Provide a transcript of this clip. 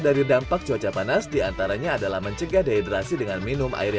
dari dampak cuaca panas diantaranya adalah mencegah dehidrasi dengan enak dan juga menurut saya